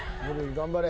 頑張れ